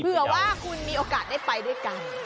เผื่อว่าคุณมีโอกาสได้ไปด้วยกัน